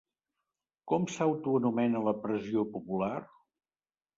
Com s'autoanomena la pressió popular?